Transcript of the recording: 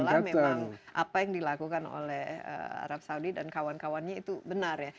itulah memang apa yang dilakukan oleh arab saudi dan kawan kawannya itu benar ya